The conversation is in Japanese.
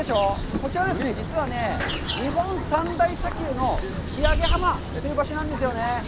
こちらはですね、実は、日本三大砂丘の吹上浜という場所なんですよね。